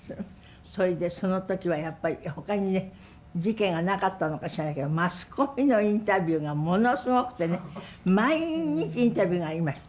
それでその時はやっぱりほかにね事件がなかったのか知らないけどマスコミのインタビューがものすごくてね毎日インタビューがありました。